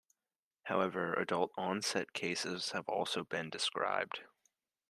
However, adult-onset cases have also been described.